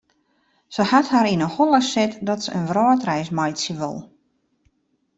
Sy hat har yn 'e holle set dat se in wrâldreis meitsje wol.